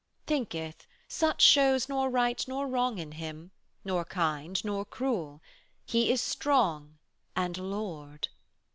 'Thinketh, such shows nor right nor wrong in Him, Nor kind, nor cruel: He is strong and Lord.